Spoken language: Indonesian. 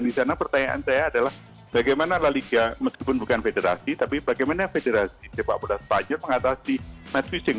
dan pertanyaan saya adalah bagaimana lalika meskipun bukan federasi tapi bagaimana federasi sepak bola spanyol mengatasi match matching